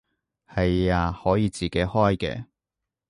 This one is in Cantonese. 係啊，可以自己開嘅